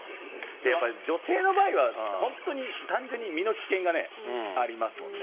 やっぱり女性の場合は、本当に単純に身の危険がね、ありますもんね。